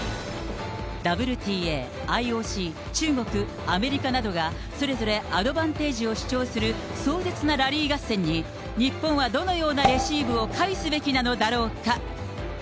ＷＴＡ、ＩＯＣ、中国、アメリカなどが、それぞれアドバンテージを主張する壮絶なラリー合戦に、日本はどのようなレシーブを返すべきなのだろうか。